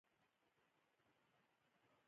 د احمد هر کار د په شرعه برابر دی.